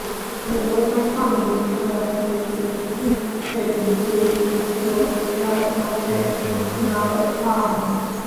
The royal family traces its pedigree through the maternal line.